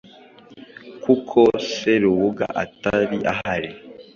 kuko Serubuga atari ahari.